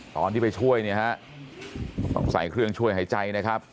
ตอนที่ไปช่วยเนี่ยฮะต้องใส่เครื่องช่วยหายใจนะครับ